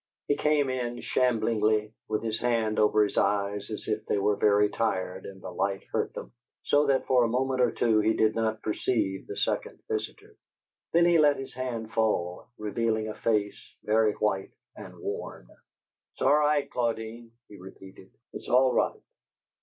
He came in shamblingly, with his hand over his eyes as if they were very tired and the light hurt them, so that, for a moment or two, he did not perceive the second visitor. Then he let his hand fall, revealing a face very white and worn. "It's all right, Claudine," he repeated. "It's all right."